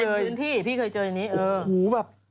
เต็มพื้นที่พี่เคยเจออย่างนี้